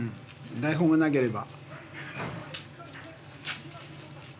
台本がなければ。